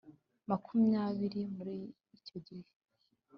makumyabiri Muri icyo gihe